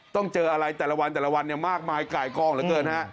ต้องเจออะไรแต่ละวันมากมายไก่กล้องเหลือเกินฮะ